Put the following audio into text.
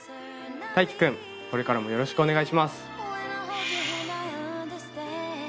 大樹君これからもよろしくお願いします。